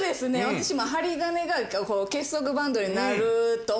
私も針金が結束バンドになると思ったので。